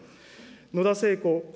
野田聖子